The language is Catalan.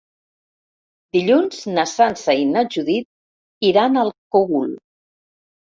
Dilluns na Sança i na Judit iran al Cogul.